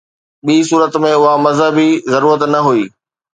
ٻي صورت ۾ اها مذهبي ضرورت نه هئي.